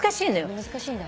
難しいんだ。